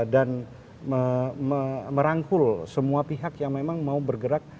dan merangkul semua pihak yang memang mau bergerak